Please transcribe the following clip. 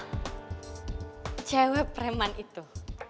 hah cewek preman itu